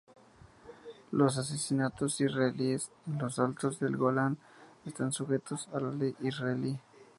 Los asentamientos israelíes en los Altos del Golán están sujetos a la ley israelí.